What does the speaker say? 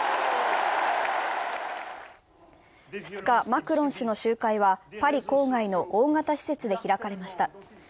２日、マクロン氏の集会はパリ郊外の大型施設で開かれました。